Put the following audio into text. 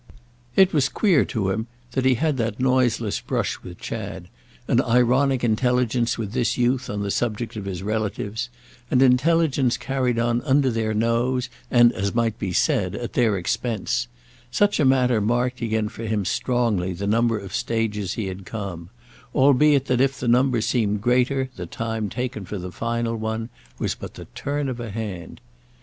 It was queer to him that he had that noiseless brush with Chad; an ironic intelligence with this youth on the subject of his relatives, an intelligence carried on under their nose and, as might be said, at their expense—such a matter marked again for him strongly the number of stages he had come; albeit that if the number seemed great the time taken for the final one was but the turn of a hand.